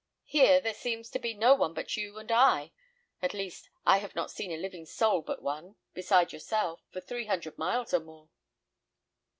Here there seems to be no one but you and I: at least, I have not seen a living soul but one, beside yourself, for three hundred miles or more."